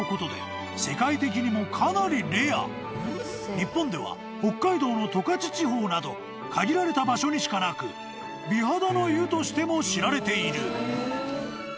［日本では北海道の十勝地方など限られた場所にしかなく美肌の湯としても知られている］